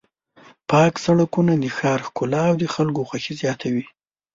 پاک سړکونه د ښار ښکلا او د خلکو خوښي زیاتوي.